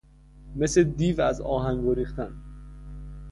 مثل دیو از آهن گریختن